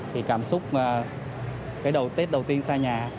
thì cảm xúc tết đầu tiên xa nhà